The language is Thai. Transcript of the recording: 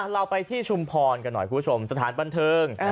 เราไปที่ชุมพรกันหน่อยคุณผู้ชมสถานบันเทิง